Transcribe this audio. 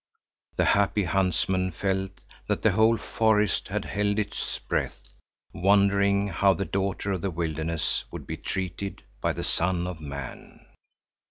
The happy huntsman felt that the whole forest had held its breath, wondering how the daughter of the wilderness would be treated by the son of man.